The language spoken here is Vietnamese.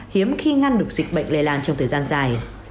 hiếm khi ngăn được dịch bệnh lề làn trong thời gian dài